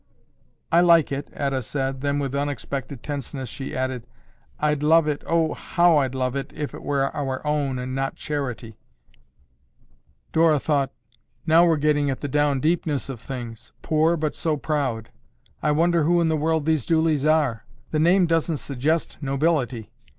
"I like it," Etta said, then with unexpected tenseness she added, "I'd love it, oh, how I'd love it, if it were our own and not charity." Dora thought, "Now we're getting at the down deepness of things. Poor, but so proud! I wonder who in the world these Dooleys are. The name doesn't suggest nobility."